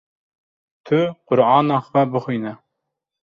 Tu Qur’ana xwe bixwîne